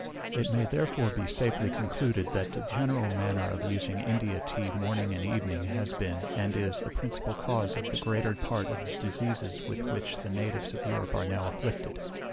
It may therefore be safely concluded, that the general manner of using India tea morning and evening has been, and is, the principal cause of the greater part of the diseases with which the natives of Europe are now afflicted.